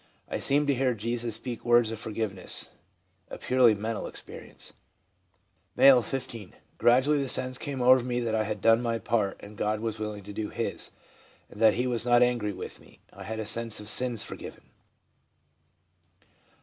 I seemed to hear Jesus speak words of for giveness (a purely mental experience)/ M., 15. 'Gradually the sense came over me that I had done my part and God was willing to do His, and that He was not angry with me ; I had a sense of sins forgiven/ 4.